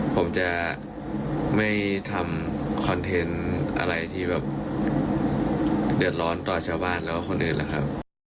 ผมจะไม่ทำคอนเทนต์อะไรที่แบบเดือดร้อนต่อชาวบ้านแล้วก็คนอื่นแหละครับ